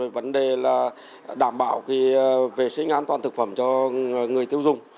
vấn đề là đảm bảo vệ sinh an toàn thực phẩm cho người tiêu dùng